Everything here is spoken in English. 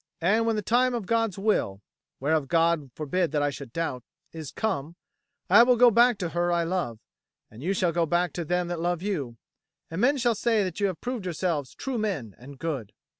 And when the time of God's will whereof God forbid that I should doubt is come, I will go back to her I love, and you shall go back to them that love you; and men shall say that you have proved yourselves true men and good."